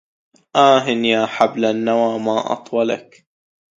آه يا حبل النوى ما أطولك